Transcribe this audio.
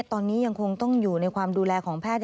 ตอนนี้ยังคงต้องอยู่ในความดูแลของแพทย์